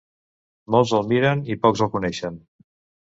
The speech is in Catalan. Molts el miren i pocs el coneixen.